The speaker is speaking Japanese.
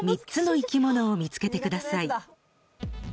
３つの生き物を見つけてください。